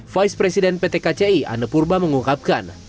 vice president pt kci anne purba mengungkapkan